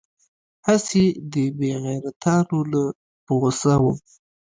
هسې دې بې غيرتانو له په غوسه وم.